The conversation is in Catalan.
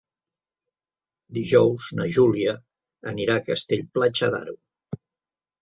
Dijous na Júlia anirà a Castell-Platja d'Aro.